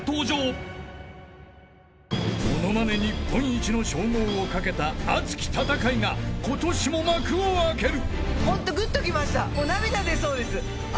［ものまね日本一の称号を懸けた熱き戦いが今年も幕を開ける］